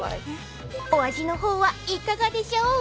［お味の方はいかがでしょう？］